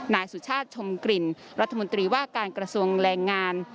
นายสุชาติชมกลิ่นรัฐมนตรีว่าการกระทรวงแรงงาน